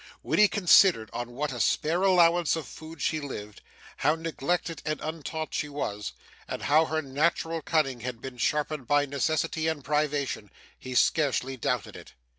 When he considered on what a spare allowance of food she lived, how neglected and untaught she was, and how her natural cunning had been sharpened by necessity and privation, he scarcely doubted it.